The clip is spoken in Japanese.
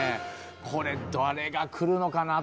これ、誰が来るのかなと。